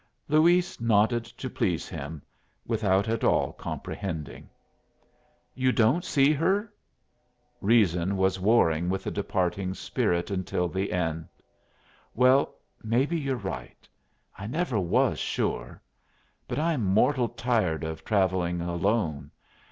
Luis nodded to please him, without at all comprehending. "You don't see her." Reason was warring with the departing spirit until the end. "Well, maybe you're right. I never was sure. But I'm mortal tired of travelling alone.